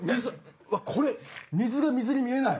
うわっこれ水が水に見えない！